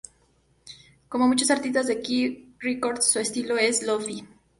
Como muchos artistas de K Records su estilo es el "lo-fi".